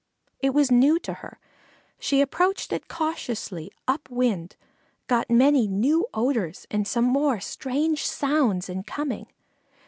It was new to her. She approached it cautiously, up wind, got many new odors and some more strange sounds in coming.